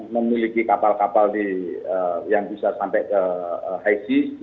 memiliki kapal kapal yang bisa sampai ke haisi di